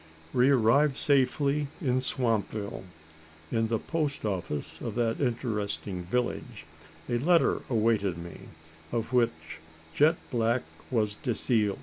We arrived safely in Swampville. In the post office of that interesting village a letter awaited me, of which "jet black was de seal."